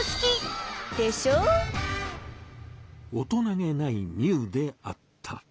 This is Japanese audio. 大人げないミウであった。